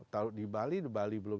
taruh di bali di bali belum